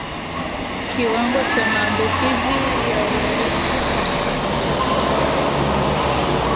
Kiwango cha maambukizi ya ugonjwa katika kundi la wanyama